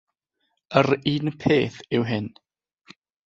Yr un peth yw hyn.